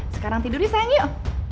sekarang tidur ya sayang yuk